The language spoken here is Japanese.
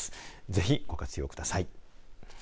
ぜひ、ご活用ください。